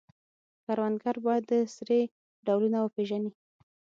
کروندګر باید د سرې ډولونه وپیژني.